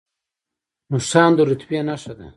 نښان د رتبې نښه ده